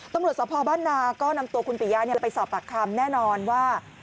ตำรวจสภบ้านนาก็นำตัวคุณปิยะไปสอบปากคำแน่นอนว่า